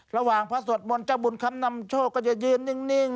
พระสวดมนต์เจ้าบุญคำนำโชคก็จะยืนนิ่ง